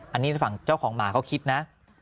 อันนี้ฝั่งเจ้าของหมาเขาคิดนะ